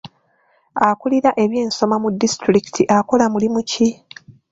Akulirira eby'ensoma mu disitulikiti akola mulimu ki?